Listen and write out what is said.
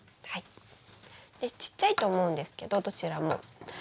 でちっちゃいと思うんですけどどちらも。